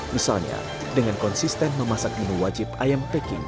misalnya dengan konsisten memasak menu wajib ayam peking